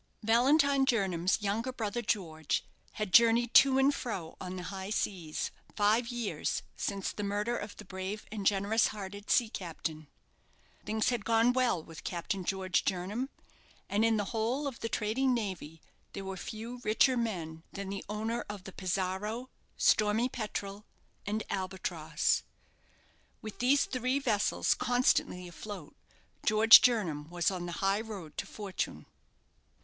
Valentine Jernam's younger brother, George, had journeyed to and fro on the high seas five years since the murder of the brave and generous hearted sea captain. Things had gone well with Captain George Jernam, and in the whole of the trading navy there were few richer men than the owner of the 'Pizarro', 'Stormy Petrel', and 'Albatross'. With these three vessels constantly afloat. George Jernam was on the high road to fortune.